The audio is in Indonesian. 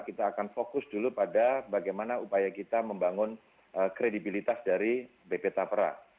kita akan fokus dulu pada bagaimana upaya kita membangun kredibilitas dari bp tapera